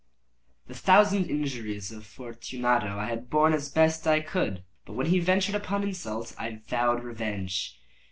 The thousand injuries of Fortunato I had borne as I best could; but when he ventured upon insult, I vowed revenge.